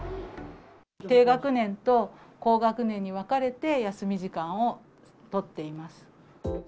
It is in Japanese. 低学年と高学年に分かれて休み時間を取っています。